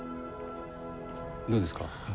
どうですか？